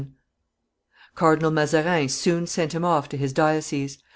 ] Cardinal Mazarin soon sent him off to his diocese.